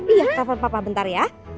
iya telepon papa bentar ya